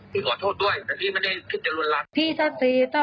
พี่ขอโทษด้วยแต่พี่ไม่ได้คิดจะลวนลาม